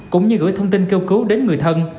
cũng như gửi thông tin kêu cứu đến người thân